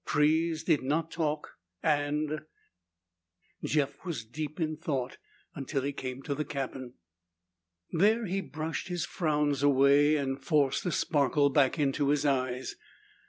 Trees did not talk and Jeff was deep in thought until he came to the cabin. There he brushed his frowns away and forced a sparkle back into his eyes.